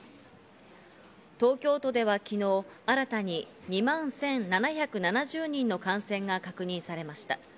東京都では昨日新たに２万１７７０人の感染が確認されました。